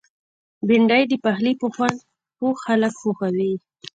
بېنډۍ د پخلي په خوند پوه خلک خوښوي